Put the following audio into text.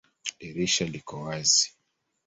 Dirisha liko wazi